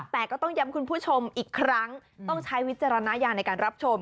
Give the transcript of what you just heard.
แต่ก็ต้องย้ำคุณผู้ชมอีกครั้งต้องใช้วิจารณญาณในการรับชม